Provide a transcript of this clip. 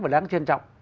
và đáng trân trọng